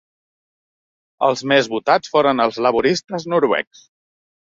Els més votats foren els laboristes noruecs.